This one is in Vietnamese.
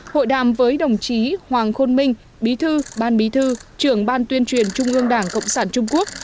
hội đàm với đồng chí hoàng khôn minh bí thư ban bí thư trưởng ban tuyên truyền trung ương đảng cộng sản trung quốc